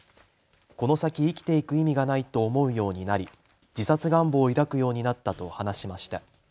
この先、生きていく意味がないと思うようになり自殺願望を抱くようになったと話しました。